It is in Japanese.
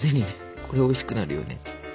これおいしくなるよね。